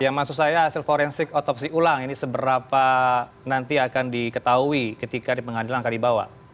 ya maksud saya hasil forensik otopsi ulang ini seberapa nanti akan diketahui ketika di pengadilan akan dibawa